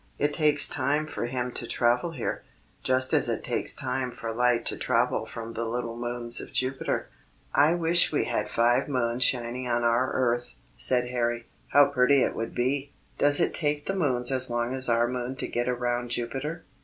It takes time for him to travel here, just as it takes time for light to travel from the little moons of Jupiter." "I wish we had five moons shining on our earth," said Harry; "how pretty it would be! Does it take the moons as long as our moon to get around Jupiter?"